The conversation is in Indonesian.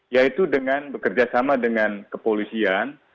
yaitu dengan bekerjasama dengan kepolisian